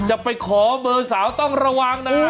จะไปขอเบอร์สาวต้องระวังนะฮะ